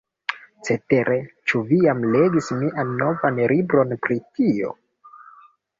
Cetere, ĉu vi jam legis mian novan libron pri tio?